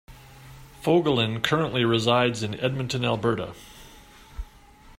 Fogolin currently resides in Edmonton, Alberta.